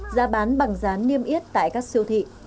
giá bán bằng giá niêm yết tại các siêu thị